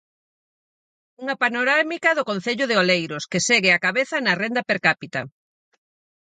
Unha panorámica do concello de Oleiros, que segue á cabeza na renda per cápita.